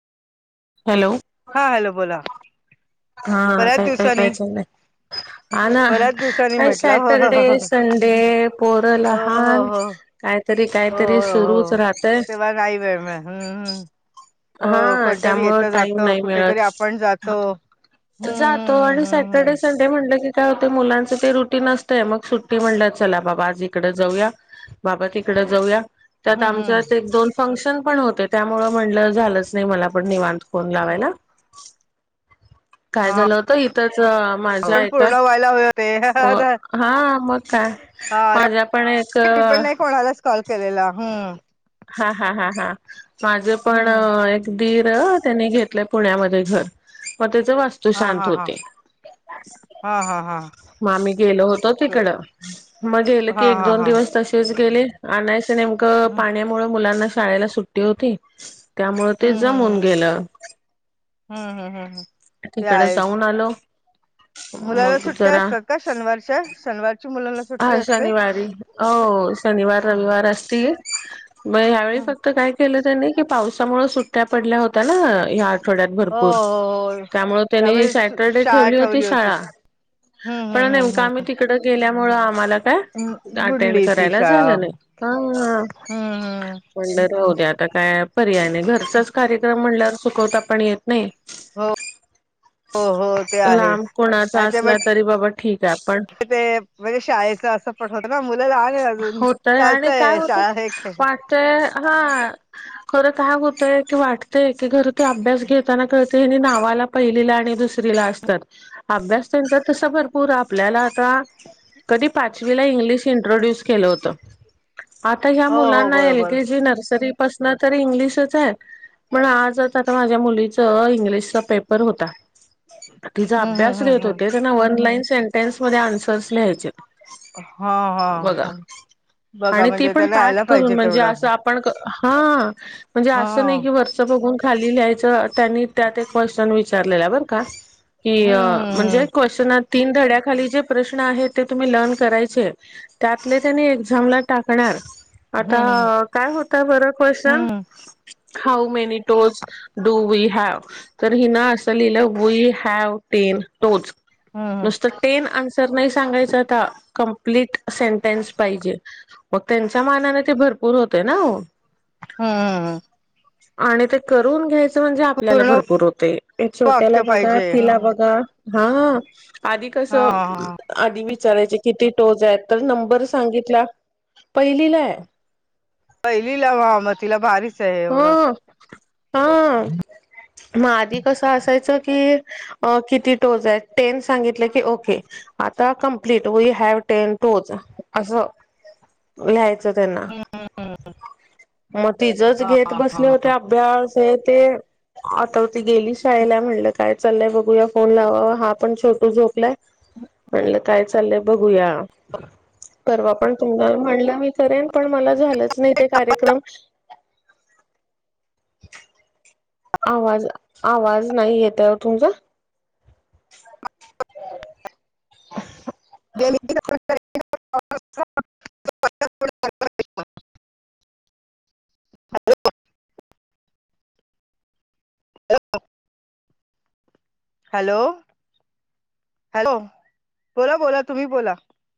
Hello हा hello बोला हा बऱ्याच काय काय काय दिवसानी चाललंय हा ना बऱ्याच दिवसाांनी काय म्हटलं हो हो सॅटरडे संडे पोरं हो लहान हो काहीतरी हो काहीतरी हो सुरूच हो राहतय तेव्हा नाही वेळम हम्म हम् हो हा कोणतरी त्यामुळं येेत टाइम जातो नाही कुठेतरी मिळत आपण जातो हम्म जातो हम्म आणि हम्म सॅटर्डे हम्म सं ते म्हणलं की काय होत मुलांच ते रुटीन असतंय मग सुट्टी म्हणलं चला बाबा आज इकडे जाऊया बाबा तिकड जाऊया त्यात हम्म आमच्यात हम्म एक दोन फंक्शन पण होते त्यामुळं म्हटलं झालंच नाही मला पण निवांत फोन लावायला काय हा झालं होतं इथंच माझ्या एका [inaudible] हो हा मग का हा माझ्या पण एक मी पण नाही कोणालाच कॉल केलेला हम् हा हा हा हा माझं हम्म पण हम्म एक दिर त्यांनी घेतलं पुण्यामध्ये घर मग त्याच वास्तू हा शांत हा हा होते हा हा ह मग आम्ही गेलो होतो तिकड मग गेलं की हा एक हा दोन हा दिवस तसेच गेले आणायचं नेमकं हम्म पाण्यामुळे मुलांना शाळेला सुट्टी होती त्यामुळेळ ते जमून गेलं हम् हम्म हम् हम तिकडे जाऊन आलो मुलाला मग सुट्ट्या जरा असतात का शनिवारच्या शनिवारची मुलांना सुट्टी हा असते शनिवारी हो शनिवार हो रविवार असतील मग हो ह्यावेळी फक्त काय केलं त्यांनी की पावसामुळे सुट्ट्या पडल्या होत्या ना ह्या आठवड्यात हो भरपूर हो [inaudible] त्यामुळे शाळा ठेवली होती हम्म पण हम्म नेमकं हम्म आम्ही तिकडं गेल्यामुं आम्हाला काय हम् अटेंड बुडली करायला झालं नाही हा हम हा पणड राहू द आता काय पर्याय नाही घरचच कार्य म्हल्या सुकवता पण येत नाही हो हो हो ते [inaudible] आहे. लांब कोणाचा आणि ते असला म्हणजे तरी बाबा ठीक आहे पण ते म्हणजे शाळेचं असं पठवतं ना मुलं लाान अजून चालतंय शाळा हे खेळ ते हा [inaudible] खरं काय होतय की वाटतेय की घर ते अभ्यास घेताना कळत तेनी नावाला पहिलीला आणि दुसरीला असतात अभ्यास त्यांचा तस भरपूर आपल्याला आता [inaudible] कधी पाचवीला इंग्लिश इंट्रोड्यूस केलं होत [inaudible] आता ह हो हो मुलांना एल बरोबर के जी नर्सरी बसण त इंग्लिशच आहे [inaudible] पण आजच आता माझ्या मुलीच इंग्लिशचा पेपर होता तिचा हम्म अभ्यास हम्म हम्म घेत हम्म होते त्यांना वन लाईन सेंटेन्स मध्ये आन्सर्स लियचे हा हा हा [inaudible] आणि ते पण त्याला पाठ यायला करून पाहिजे म्हणजे तेवढं असं आपण हा म्हणजे हा असं नाही की व बघून खाली लिहायचं त्यांनी त्यात एक क्वेशचन विचारलेला बरं का की म्हणजे हम्म क्शचन तीन धड्याखाली जे प्रश्न आहेत ते तुम्ही लर्न करायचे आपले त्यांनी एक्झामला टाकणार [inaudible] हम्म आता हम्म काय होत बर क्वेशन हम्म [inaudible] हऊ many toes do we have [inaudible] तर हि न असं लिहिलं वी हॅव टेन तोच हम्म [inaudible] नुसत टेनन्र नाही सांगायप्ट से त्यांच पाहिजे मग [inaudible] त्यांच्या मानाने ते भरपूर होते ना हो [inaudible] हम्म आणि ते करून [inaudible] घ्यायचं म्हणजे आपल्याला पूर्ण भरपूर होते वाक्य छोट्याला बघा पाहिजे तिला हम्म बघा हा [inaudible] आधी हा कसं हा [inaudible] आधी विचारायचे किती टोच आहेत तर नंबर सांगितला [inaudible] पहिलीला आहे पहिलीला मम तिला भारी ह [inaudible] हा [inaudible] मग आधी कसं असायचं की किती टोज आहे टेन सांगितलं की [inaudible] ओके आता क ् we have ten to us [inaudible] लयचं त्यां [inaudible] म त तेच घेत बसले होते अभ्यास हे ते आता ती गेली शाळेला म्हटलं काय चाललंय बघूया फोन लावावा हा पण छोटो झोपलाय म्हणलं काय चाललंय बघूया [inaudible] परवा पण तुम म्हणलं े पण मला झालंच नाही ते कार्यक्रम आवाज [inaudible] आवाज नाही येत आहे तुमचा [inaudible] [inaudible] ह [inaudible] हॅलो [inaudible] हॅलो [inaudible] बोला बोला तुम्ही बोला